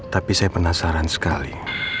tapi saya penasaran sekali